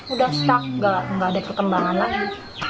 udah stuck nggak ada perkembangan lagi